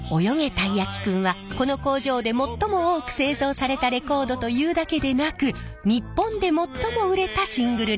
たいやきくん」はこの工場で最も多く製造されたレコードというだけでなく日本で最も売れたシングルレコードなんです。